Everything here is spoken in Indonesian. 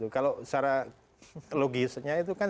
kalau secara logisnya itu kan